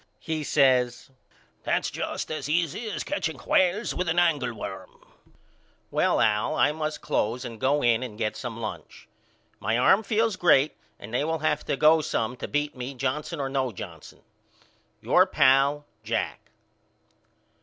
He says That's just as easy as catching whales with a angleworm. Well Al I must close and go in and get some lunch. My arm feels great and they will have to go some to beat me Johnson or no Johnson. Your pal, JACK.